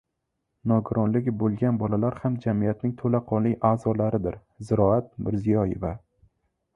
«Nogironligi bo‘lgan bolalar ham jamiyatning to‘laqonli a’zolaridir» — Ziroat Mirziyoyeva